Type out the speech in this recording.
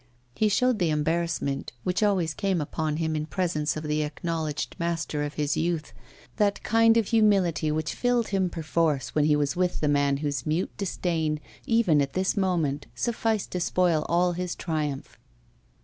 He showed the embarrassment which always came upon him in presence of the acknowledged master of his youth, that kind of humility which filled him perforce when he was with the man whose mute disdain, even at this moment, sufficed to spoil all his triumph.